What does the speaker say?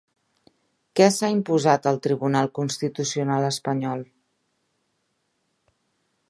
Què s'ha imposat al Tribunal Constitucional espanyol?